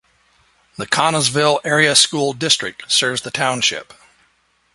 The Connellsville Area School District serves the township.